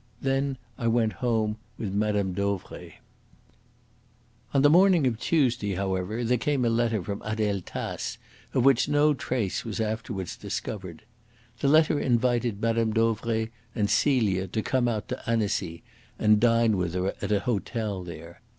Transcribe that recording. "Then I went home with Mme. Dauvray." On the morning of Tuesday, however, there came a letter from Adele Tace, of which no trace was afterwards discovered. The letter invited Mme. Dauvray and Celia to come out to Annecy and dine with her at an hotel there.